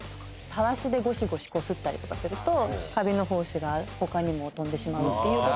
タワシでゴシゴシこすったりとかするとカビの胞子が他にも飛んでしまうっていうことは。